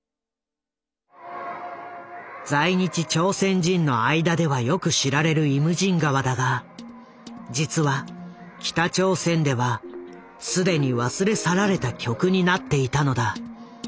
在日朝鮮人の間ではよく知られる「イムジン河」だが実は北朝鮮ではすでに忘れ去られた曲になっていたのだ。